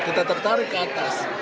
kita tertarik ke atas